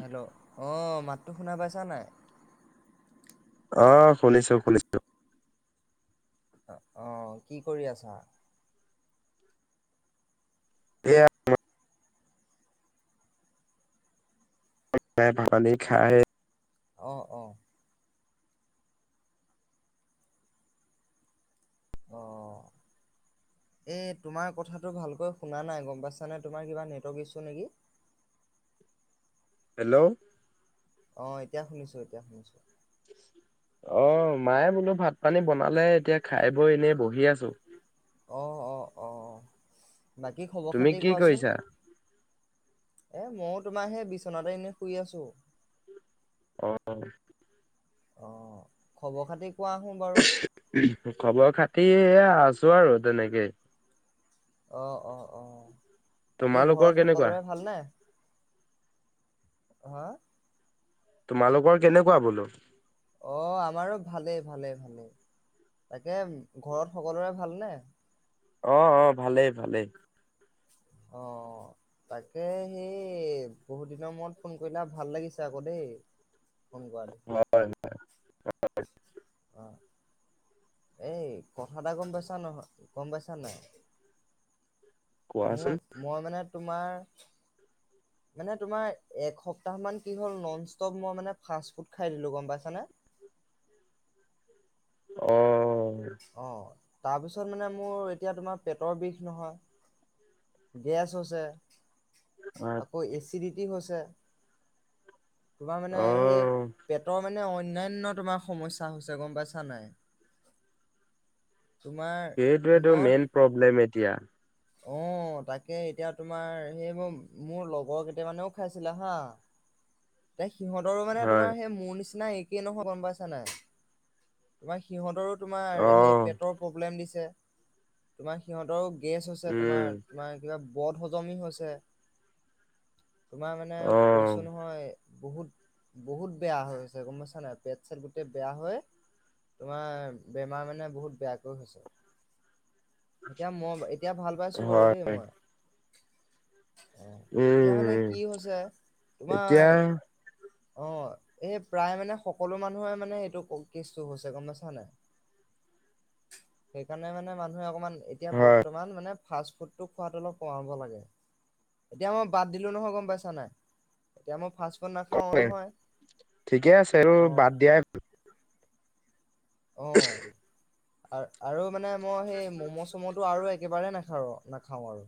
Hello? অ' মাতটো শুনা পাইছা নাই? অ' শুনিছো শুনিছো। অ' কি কৰি আছা? এইয়া। [unintelligible] খাই অ', অ'। অ [inaudible] এই তোমাৰ কথাটো ভালকৈ শুনা নাই গ'ম পাইছানে, তোমাৰ কিবা নেটৱৰ্ক ইছু নেকি? হেল্ল'? অ' এতিয়া শুনিছো এতিয়া শুনিছো। অ' মায়ে বোলো ভাত পানী বনালে, এতিয়া খাই বৈ এনেই বহি আছো। অ', অ', অ'। বাকী খবৰ তুমি খাতি কি কোৱাচোন? কৰিছা? এ, মইও তোমাৰ সেই বিচনাতে এনেই শুই আছো। অ'। অ' খবৰ খাতি কোৱা চোন বাৰু? খবৰ খাতি এইয়া আছো আৰু তেনেকেই। অ', অ', অ'। বাকী তোমালোকৰ ঘৰত কেনেকুৱা? সকলোৰে ভাল নে? হা'? তোমালোকৰ কেনেকুৱা বোলো? অ' আমাৰো ভালেই ভালেই ভালেই। বাকী ঘৰত সকলোৰে ভালনে? অ', অ' ভালেই ভালেই। অ'। তাকে সেই বহুত দিনৰ মূৰত ফোন কৰিলা ভাল লাগিছে আকৌ দেই। ফোন কৰা দেখি। হয়। অ' এই কথা এটা গ'ম পাইছা নহয় গ'ম পাইছা নে নাই? কোৱাচোন মোৰৰ মই মানে তোমাৰ [inaudible] মানে তোমাৰ এসপ্তাহ মান কি হ'ল নন ষ্টপ মই মানে ফাৰ্ষ্ট ফুড খাই দিলোঁ গ'ম পাইছানে? অ' অ' তাৰপিছত মানে মোৰ এতিয়া তোমাৰ পেটৰ বিষ নহয়। গেছ হৈছে। আকৌ এছিডিতি হৈছে। তোমাৰ মানে সেই অ', পেটৰ মানে অন্যান্য তোমাৰ সমস্যা হৈছে গ'ম পাইছানে নাই। তোমাৰ এইটোৱেটো মই মেইন প্ৰব্লেম এতিয়া। অ' তাকে এতিয়া তোমাৰ সেইবোৰ মোৰ লগৰ কেইটামানেও খাইছিলে হা [inaudible] মানে সিহঁতৰো মানে হয়। তোমাৰ সেই মোৰ নিচিনা একেই নহয় গ'ম পাইছা নাই। তোমাৰ সিহঁতৰো তোমাৰ সেই অ', পেটৰ প্ৰব্লেম দিছে। তোমাৰ সিহঁতৰো গেছ হৈছে উম, তোমাৰ তোমাৰ কিবা ব্ৰত হজমি হৈছে। তোমাৰ মানে কৈছোঁ অ', নহয়, বহুত বহুত বেয়া হৈ গৈছে হৈছে গ'ম পাইছানে নাই পেট চেট গোটেই বেয়া হয়। তোমাৰ বেমাৰ মানে বহুত বেয়াকৈ হৈছে। [inaudible] এতিয়া মই, এতিয়া ভাল পাইছোঁ বাৰু দেই হয় মই। অ' উম, এতিয়া মানে উম, কি হৈছে তোমাৰ এতিয়া অ' এই প্ৰায় মানে সকলো মানুহৰে মানে এইটো কেচটো হৈছে গ'ম পাইছানে নাই। [inaudible] সেইকাৰণে মানে মানুহে অকমান এতিয়া হয়। বৰ্ত মানে ফাৰ্ষ্ট ফুড টো খোৱাটো অলপ কমাব লাগে। এতিয়া মই বাদ দিলোঁ নহয় গ'ম পাইছানে নাই। এতিয়া মই ফাৰ্ষ্ট ফুড নাখাওঁ নহয় অ' কেপ অ' আৰু আৰু মানে মই সেই মম' ম'ম তোৰ আৰু একেবাৰে নাখাৰো নাখাওঁ আৰু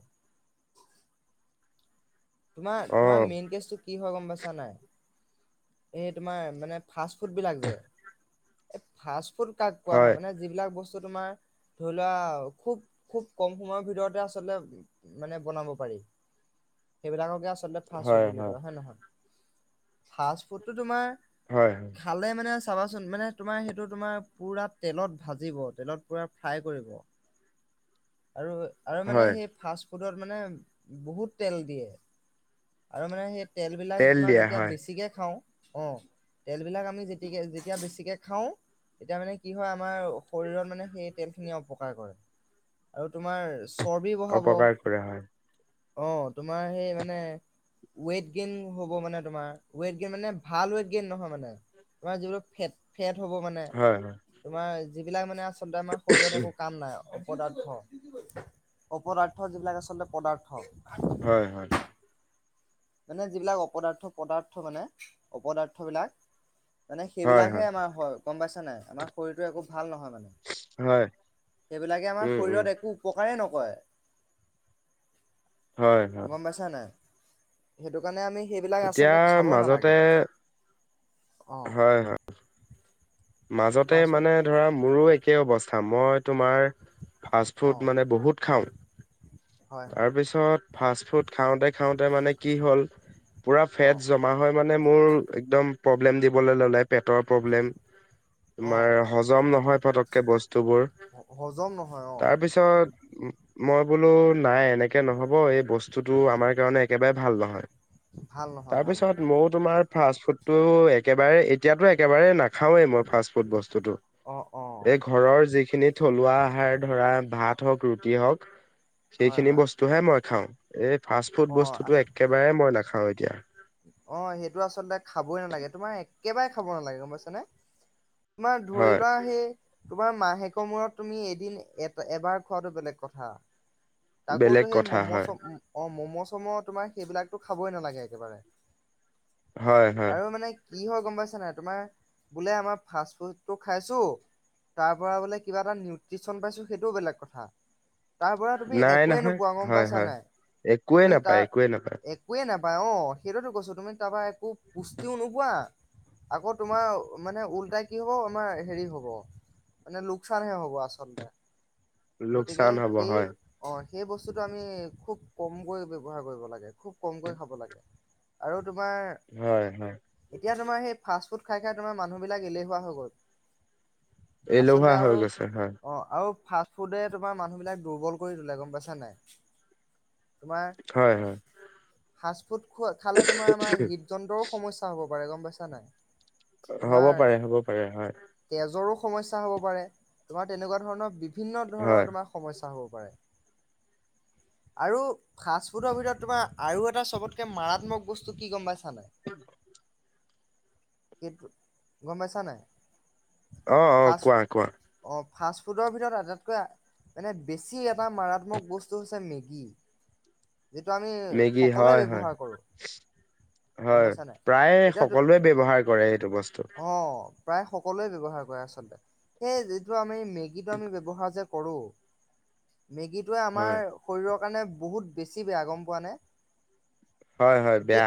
তোমাৰ অ তোমাৰ মেইন কেচটো কি হয় গ'ম পাইছা নাই? এই তোমাৰ মানে ফাৰ্ষ্ট ফুড বিলাক যে এই ফাৰ্ষ্ট ফুড কাক কোৱা হয় মানে যিবিলাক বস্তু তোমাৰ ধৰি লোৱা খুব খুব কম সময়ৰ ভিতৰতে আচলতে মানে বনাব পাৰি। সেইবিলাককে আচ লতে ফাৰ্ষ্ট ফুড হয় বুলি হয়। কোৱা হয়নে নহয়? ফাৰ্ষ্ট ফুডটো তোমাৰ হয়। খালে মানে চাবাচোন মানে তোমাৰ সেইটো তোমাৰ পূৰা তেলত ভাজিব, তেলত পূৰা ফ্ৰাই কৰিব। আৰু আৰু মানে হয় সেই ফাৰ্ষ্ট ফুডত মানে বহুত তেল দিয়ে আৰু মানে সেই তেলবিলাক তেল তোমাৰ দিয়া যেতিয়া হয় বেছিকে খাওঁ। অ' তেল বিলাক আমি যেতি যেতিয়া বেছিকে খাওঁ। তেতিয়া মানে কি হয়, আমাৰ শৰীৰত মানে সেই তেলখিনিয়ে অপকাৰ কৰে। আৰু তোমাৰ চৰ্বি বঢ়াব। অপকাৰ কৰা হয় অ' তোমাৰ সেই মানে ৱেইট গেইন হ'ব মানে তোমাৰ ৱেইট গেইন মানে ভাল ৱেইট গেইন নহয় মানে আমাৰ যিবোৰ ফেট ফেট হ'ব মানে, হয় হয়। তোমাৰ যিবিলাক মানে আচলতে আমাৰ শৰীৰত একো কাম নাই অপদাৰ্থ। অপদাৰ্থ যিবিলাক আচলতে পদাৰ্থ। হয় হয় মানে যিবিলাক অপদাৰ্থ পদাৰ্থ মানে অপদাৰ্থ বিলাক মানে সেইবিলাকহে আমাৰ হয় গম পাইছা নাই আমাৰ শৰীৰটো একো ভাল নহয় মানে হয় সেইবিলাকে আমাৰ উম উম শৰীৰত একো উপকাৰে নকৰে হয় হয় গম পাইছা নাই? সেইটো কাৰণে আমি সেইবিলাক এতিয়া আচলতে খাব নালাগে মাজতে অ হয় হয় মাজতে কোৱাচোন মানে ধৰা মোৰো একেই অৱস্থা মই তোমাৰ ফাষ্ট অ ফুড মানে বহুত খাওঁ হয় হয় তাৰপিছত ফাষ্ট ফুড খাওঁতে খাওঁতে মানে কি হ'ল পূৰা অ ফেট জমা হৈ মানে মোৰ একদম প্ৰব্লেম দিবলৈ ল'লে পেটৰ প্ৰব্লেম অ তোমাৰ হজম নহয় ফটককে বস্তুবোৰ হজম নহয় অ তাৰপিছত পিছত মই বোলো নাই এনেক কে নহব এই বস্তুটো আমাৰ কাৰণে একেবাৰে ভাল নহয় ভাল নহয় ভাল তাৰপিছত নহয় মোৰ তোমাৰ ফাষ্ট ফুড টো একেবাৰে এতিয়াতো একেবাৰে নাখ খাওঁৱেই মই ফাষ্ট বস্তুটো অ অ ঘৰৰ যিখিনি থলুৱা আহাৰ ধৰা ভাত হওক ৰুটি হওক হয় সেইখিনি হয় বস্তুহে মই খাওঁ এই ফাষ্ট ফুড অ বস্তুটো একেবাৰে মই নাখাওঁ এতিয়া অ' সেইটো আচলতে খাবই নালাগে তোমাৰ একেবাৰে খাব নালাগে গম পাইছা নে? তোমাৰ ধৰি হয় লোৱা সেই তোমাৰ মাহেকৰ মূৰত তুমি এদিন এ এবাৰ খোৱাটো বেলেগ কথা আকৌতো বেলেগ সেই কথা ম'ম' হয়। চ অ ম'ম' চ'ম' তোমাৰ সেইবিলাকতো খাবই নালাগে একেবাৰে হয় হয় আৰু মানে কি হয় গম পাইছা নাই তোমাৰ বোলে আমাৰ ফাষ্ট ফুডটো খাইছোঁ তাৰ পৰা বোলে কিবা এটা নিউট্ৰিচন পাইছোঁ সেইটোও বেলেগ কথা তাৰপৰা তুমি নাই একোৱেই নহয় নোপোৱা গম হয় পাইছা হয় নাই একোৱে তুমি নাপায় তাৰ একোৱে নাপায় এক কোৱে নাপায় অ' সেইটোতো কৈছো তুমি তাৰপৰা একো পুষ্টিও নোপোৱা আকৌ তোমাৰ মানে উল্টাই কি হব আমাৰ হেৰি হ'ব মানে লোকচানহে হ'ব আচলতে গতিকে লোকচান হ'ব সেই হয় অ' সেই বস্তুটো আমি খুব কমকৈ ব্যৱহাৰ কৰিব লাগে খুব কমকৈ খাব লাগে আৰু তোমাৰ হয় হয় এতিয়া তোমাৰ সেই ফাষ্টফুড খাই খাই তোমাৰ মানুহবিলাক এলেহুৱা হৈ গ'ল। আচলতে এলেহুৱা হৈ আৰু গৈছে হয়। অ' আৰু ফাষ্ট ফুদে তোমাৰ মানুহ বিলাক দুৰ্বল কৰি তোলে গম পাইছা নাই। তোমাৰ হয় হয় ফাষ্টফুড খো খালে তোমাৰ আমাৰ হৃদ যন্ত্ৰৰো সমস্যা হ'ব পাৰে গম পাইছা নাই। হ'ব তোমাৰ পাৰে হ'ব পাৰে হয়। তেজৰো সমস্যা হ'ব পাৰে তোমাৰ তেনেকুৱা ধৰণৰ বিভিন্ন হয় ধৰণৰ তোমাৰ সমস্যা হ'ব পাৰে। আৰু ফাষ্টফুডৰ ভিতৰত তোমাৰ আৰু এটা চবতকৈ মাৰাত মক বস্তু কি গম পাইছা নাই। এইটো গম পাইছা নাই। অ' অ' ফাষ্ট কোৱা কোৱা। অ' ফাষ্ট ফুডৰ ভিতৰত আটাইতকৈ। এনে বেছি এটা মাৰাত্মক বস্তু হৈছে মেগী যিটো আমি মেগী সকলোৱে হয় হয় ব্যৱহাৰ কৰোঁ। হয়, প্ৰায় এতিয়া সকলোৱে ব্যৱহাৰ কৰে এইটো বস্তু। অ'। প্ৰায় সকলোৱে ব্যৱহাৰ কৰে আচলতে, সেই যিটো আমি মেগীটো আমি ব্যৱহাৰ যে কৰো, মেগীটোৱে হয় আমাৰ শৰীৰৰ কাৰণে বহুত বেছি বেয়া, গম পোৱানে? হয় হয়, বেয়া।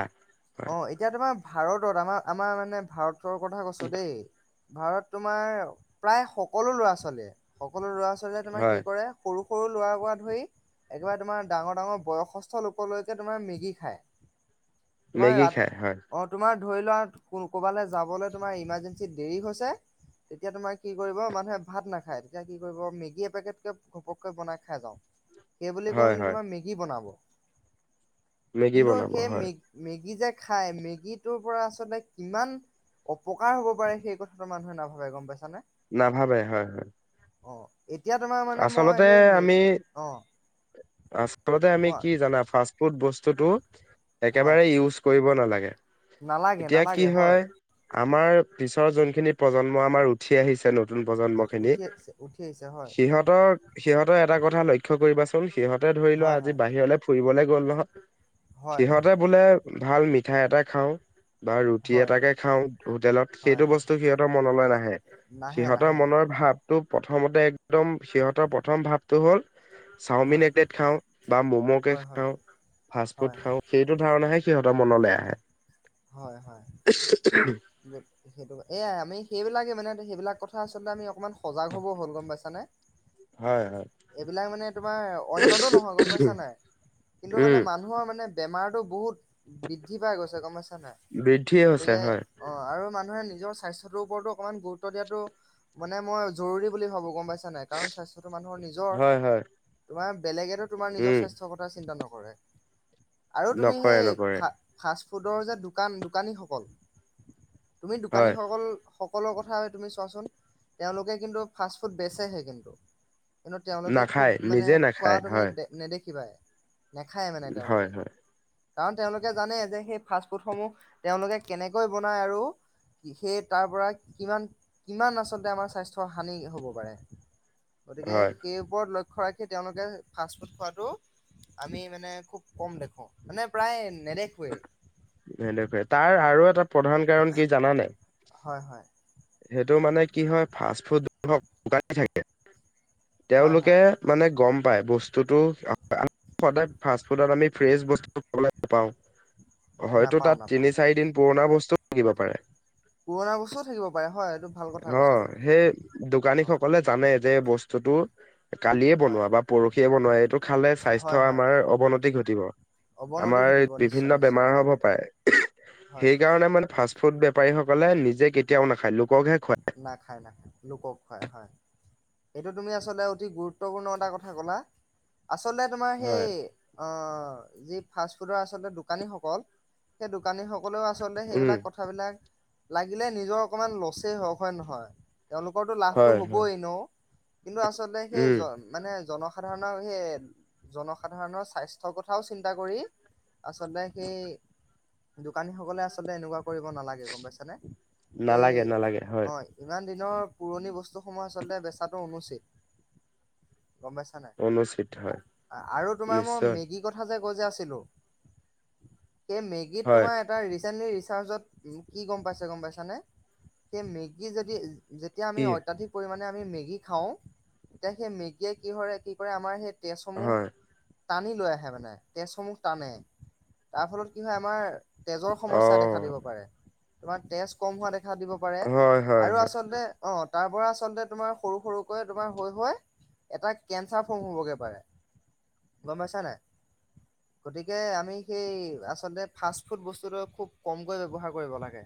হয় অ', এতিয়া তোমাৰ ভাৰতত আমাৰ আমাৰ মানে ভাৰতৰ কথা কৈছো দেই। ভাৰত তোমাৰ প্ৰায় সকলো ছোৱালীয়ে, সকলো ছোৱালীয়ে তোমাৰ কি হয় কৰে সৰু সৰু ল'ৰাৰ পৰা ধৰি একেবাৰে তোমাৰ ডাঙৰ ডাঙৰ বয়সস্থ লোকলৈকে তোমাৰ মেগী খায়। তোমাৰ মেগী খাই হয় অ', তোমাৰ ধৰি লোৱা ক'ৰবালৈ যাবলৈ তোমাৰ ইমাৰ্জেঞ্চিত দেৰি হৈছে তেতিয়া তোমাৰ কি কৰিব মানুহে ভাত নাখায়, তেতিয়া কি কৰিব মেগী এপেকেটকে ঘপককৈ বনাই খাই যাওঁ। [unintelligible] সেইবুলি কৈ হয় মানে হয় তোমাৰ মেগী বনাব। মেগী কিন্তু বনাব সেই হয় মেগ-মেগী যে খায়, মেগীটোৰ পৰা আচলতে কিমান অপকাৰ হব পাৰে সেই কথাটো মানুহে নাভাবে গম পাইছানে। নাভাবে হয় হয়। অ'। এতিয়া তোমাৰ মানে মই আচলতে সেই মে আমি, অ আচলতে আমি কোৱা কি জানা ফাৰ্ষ্ট [unintelligible] ফুড বস্তুটো হয় একেবাৰে ইউজ কৰিব নালাগে, নালাগে তেতিয়া কি নালাগে হয় আমাৰ পিছৰ যোনখিনি প্ৰজন্ম আমাৰ উঠি আহিছে নতুন প্ৰজন্ম উ- খিনি উঠি আহিছে উঠি আহিছে হয়। সিহতৰ, সিহঁতৰ এটা কথা লক্ষ্য কৰিবাচোন, সিহঁতে ধৰি লোৱা হয় আজি হয় বাহিৰলৈ ফুৰিবলে গ'ল নহয়, হয় সিহঁতে বোলে ভাল মিঠাই এটাই খাওঁ বা ৰুটি হয় এটাকে খাওঁ হোটেলত হয় সেইটো হয় বস্তু সিহঁতৰ মনলৈ নাহে। নাহে সিহতৰ নাহে মনৰ ভাৱটো প্ৰথমতে, একদম সিহঁতৰ প্ৰথম ভাৱটো হ'ল চাওমিন হয় এক [unintelligible] খাওঁ বা ম'ম' কে হয় হয় খাওঁ, ফাষ্ট হয় হয় ফুড খাওঁ সেইটো ধাৰণাহে সিহঁতৰ মনলৈ আহে। হয় হয়। সেইটো এয়াই আমি সেইবিলাকে মানে সেইবিলাক কথা আচলতে আমি অকণমান সজাগ হ'ব হ'ল গম পাইছানে। হয় হয়। এইবিলাক মানে তোমাৰ অন্যতো নহয় গম পাইছা নাই, কিন্তু উম মানে মানুহৰ মানে বেমাৰটো বহুত বৃদ্ধি পাই গৈছে গম পাইছা নাই, বৃদ্ধিয়ে হৈছে গতিকে হয়। অ', আৰু মানুহে নিজৰ স্বাস্থ্যটোৰ ওপৰতো অকমান গুৰুত্ব দিয়াটো মানে মই জৰুৰী বুলি ভাবো গম পাইছা নাই, কাৰণ স্বাস্থ্যতো মানুহৰ নিজ হয় হয় [unintelligible] তোমাৰ বেলেগেতো তোমাৰ নিজৰ উম স্বাস্থ্যৰ কথা চিন্তা নকৰে। আৰু তুমি নকৰে সেই নকৰে ফা-ফাষ্টফুডৰ যে দোকান দোকানীসকল তুমি হয় দোকানীসকল সকলৰ কথা হয় তুমি চোৱাচোন, তেওঁলোকে কিন্তু ফাষ্ট ফুড বেচেহে কিন্তু। কিন্তু তেওঁলোকে খুব নাখায় মানে নিজে খোৱা নাখায় তুমি হয়। দে নেদেখিবাই, নেখায়ে মানে হয় তেওঁলোকে, হয় কাৰণ তেওঁলোকে জানে যে সেই ফাষ্টফুদ [unintelligible] সমূহ তেওঁলোকে কেনেকৈ বনায় আৰু সেই তাৰ পৰা কিমান-কিমান আচলতে আমাৰ স্বাস্থ্য হানি হ'ব পাৰে। গতিকে হয় সেই ওপৰত লক্ষ্য ৰাখি সেই তেওঁলোকে ফাষ্টফুড খোৱাটো আমি মানে খুব কম দেখোঁ, মানে প্ৰায় নেদেখোৱে। নেদেখোৱে। তাৰ আৰু এটা প্ৰধান কাৰণ কি জানানে? হয়, হয়। সেইটো মানে কি হয়, ফাষ্ট ফুড হওঁক [unintelligible] থাকে। হয় তেওঁলোকে হয় মানে গম পায় বস্তুটো [unintelligible] সদায় ফাষ্ট-ফুডত আমি ফ্ৰেছ বস্তু খাবলৈ নাপাওঁ। হয়তো নাপাওঁ তাত নাপাওঁ তিনি-চাৰিদিন পুৰণা বস্তু থাকিব পাৰে। পুৰণা বস্তুও থাকিব পাৰে, হয়, এইটো ভাল কথা অ কৈছা তুমি। সেই অ দোকানীসকলে জানে যে বস্তুটো কালিয়ে হয় বনোৱা বা পৰহিয়ে বনোৱা। এইটো খালে স্বাস্থ্য হয় হয় আমাৰ অৱনতি ঘটিব। অৱনতি আমাৰ ঘটিব বিভিন্ন নিশ্চয় নিশ্চয় বেমাৰ হ'ব পাৰে। হয় সেই কাৰণে মানে ফাষ্ট ফুড বেপাৰীসকলে নিজে কেতিয়াও নাখায়, লোককহে খুৱায়। নাখায়, নাখায়, লোকক খোৱায়, হয়। সেইটো তুমি আচলতে অতি গুৰুত্বপূৰ্ণ এটা কথা ক'লা। আচলতে তোমাৰ সেই হয় অ'- যি ফাষ্টফুডৰ আচলতে দোকানীসকল, সেই দোকানীস কলেও আচলতে উম, সেইবিলাক কথাবিলাক, লাগিলে নিজৰ অকমান লচেই হওঁক, হয় নহয়? তেওঁলোকৰতো লাভটো হয়, হয়, হবই ন', কিন্তু আচলতে সেই উম, জন মানে জনসাধাৰণৰ সেই- জনসাধাৰণৰ স্বাস্থ্যৰ কথাও চিন্তা কৰি আচলতে সেই দোকানীসকলে আচলতে এনেকুৱা কৰিব নালাগে, গম পাইছনে? এই নালাগে, নালাগে, হয়, অ' ইমান দিনৰ পুৰণি বস্তুসমূহ আচলতে বেচাটো অনুচিত। গম পাইছা নে নাই? অনুচিত হয়, আৰু তোমাৰ মোৰ নিশ্চয়, মেগি কথা যে কৈ আছিলো, সেই মেগিত হয়, তোমাৰ তাৰ ৰিচেণ্টলি ৰিচাৰ্জত কি গম পাইছে গম পাইছানে? সেই মেগী যদি যেতিয়া কি আমি অত্যাধিক পৰিমাণে আমি মেগী খাওঁ, তেতিয়া সেই মেগীয়ে কি হয় কি কৰে, আমাৰ সেই তেজসমূহ হয়, টানি লৈ আহে মানে, তেজসমূহ টানে। তাৰ ফলত কি হয় আমাৰ তেজৰ সমস্যা দেখা অ', দিব পাৰে। তোমাৰ তেজ কম হোৱা দেখা দিব পাৰে। হয়, হয়, আৰু হয়, আচলতে- অ' তাৰ পৰা আচলতে তোমাৰ সৰু সৰুকৈ তোমাৰ হৈ হৈ এটা কেঞ্চাৰ ফৰ্ম হ'বগে পাৰে। গম পাইছা নে? অ! গতিকে আমি সেই আচলতে ফাষ্ট ফুড বস্তুটো খুব কমকৈ ব্যৱহাৰ লাগে।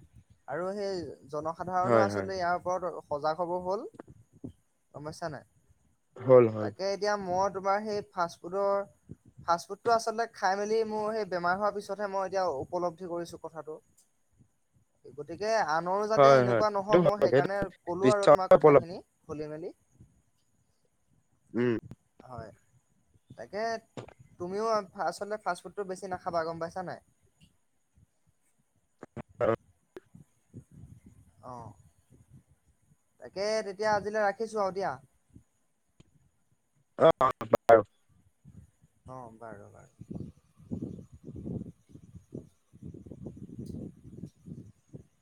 আৰু সেই জনসাধাৰণৰ হয়, হয়, আচলতে ইয়াৰ ওপৰত সজাগ হব হ'ল। গম পাইছা নাই? হ'ল, হ'ল, তাকে এতিয়া মই তোমাৰ সেই ফাষ্টফুডৰ ফাষ্টফুডটো আচলতে খাই মেলি মোৰ সেই বেমাৰ হোৱাৰ পিছতহে মই এতিয়া উপলব্ধি কৰিছোঁ কথাটো। অ! গতিকে আনৰো যাতে এনেকুৱা সেইটো নহওঁক, হয়, মই সেইটো সেইকাৰণে কলো আৰু পিছত তোমাক উপলব্ধ কথাখিনি খুলি মেলি। উম। হয়। তাকে তুমিও ফা- আচলতে ফাষ্টফুডটো বেছি নাখাবা, গম পাইছা নাই? [inaudible] অ', তাকে এতিয়া আজিলে ৰাখিছোঁ আৰু দিয়া। অঁ অঁ। অঁ বাৰু বাৰু। [inaudible]